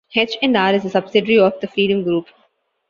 H and R is a subsidiary of the Freedom Group.